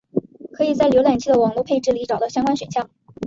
可以在浏览器的网络配置里找到相关选项。